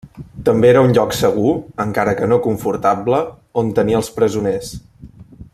També era un lloc segur, encara que no confortable, on tenir els presoners.